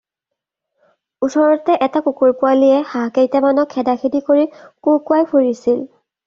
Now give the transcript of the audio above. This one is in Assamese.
ওচৰতে এটা কুকুৰ-পোৱালিয়ে হাঁহকেইটামানক খেদাখেদি কৰি কুঁ-কুৱাই ফুৰিছিল।